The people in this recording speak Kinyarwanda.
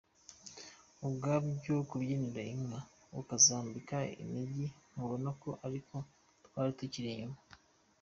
Ubwabyo kubyinira inka ukazambika inigi ntubona ko ari uko twari tukiri inyuma.